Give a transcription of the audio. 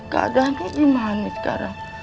keadaannya gimana sekarang